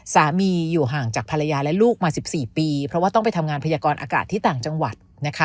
อยู่ห่างจากภรรยาและลูกมา๑๔ปีเพราะว่าต้องไปทำงานพยากรอากาศที่ต่างจังหวัดนะคะ